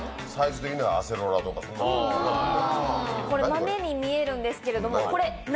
豆に見えるんですけれども。